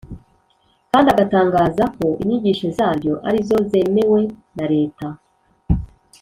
kandi agatangaza ko inyigisho zaryo ari zo zemewe na leta